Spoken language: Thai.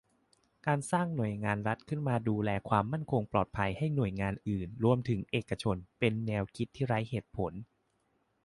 การสร้าง "หน่วยงานรัฐ" ขึ้นมาดูแลความมั่นคงปลอดภัยให้หน่วยงานอื่นรวมถึงเอกชน เป็นแนวคิดที่ไร้เหตุผล